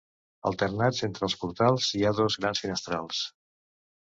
Alternats entre els portals hi ha dos grans finestrals.